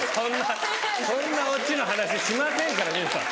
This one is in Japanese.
そんなオチの話しませんから未唯ｍｉｅさん。